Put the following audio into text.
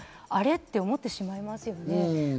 あれ？って思ってしまいますよね。